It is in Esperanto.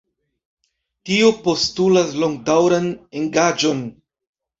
Tio postulas longdaŭran engaĝon.